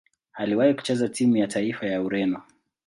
Aliwahi kucheza timu ya taifa ya Ureno.